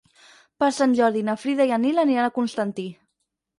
Per Sant Jordi na Frida i en Nil aniran a Constantí.